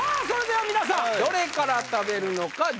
それでは皆さんどれから食べるのか